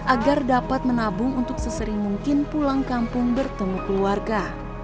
agar dapat menabung untuk sesering mungkin pulang kampung bertemu keluarga